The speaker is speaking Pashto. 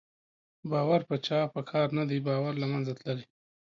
باور په چا په کار نه دی، باور له منځه تللی